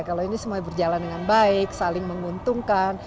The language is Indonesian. kalau ini semua berjalan dengan baik saling menguntungkan